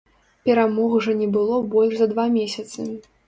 Перамог жа не было больш за два месяцы.